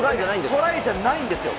トライじゃないんですよ。